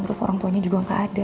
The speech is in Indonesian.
terus orang tuanya juga nggak ada